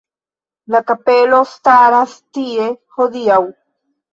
La kapelo staras tie hodiaŭ.